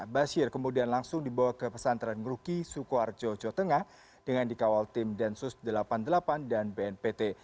basir kemudian langsung dibawa ke pesantren ngeruki sukoharjo jawa tengah dengan dikawal tim densus delapan puluh delapan dan bnpt